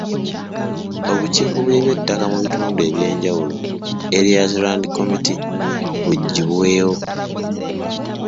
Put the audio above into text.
Obukiiko bw’eby'ettaka mu bitundu eby'enjawulo (Area Land Committees) buggyibwewo.